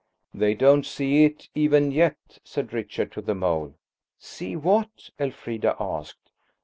"They don't see it–even yet," said Richard to the mole. "See what?" Elfrida asked.